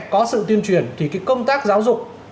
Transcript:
có sự tuyên truyền thì cái công tác giáo dục